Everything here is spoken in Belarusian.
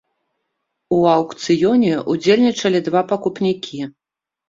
У аўкцыёне ўдзельнічалі два пакупнікі.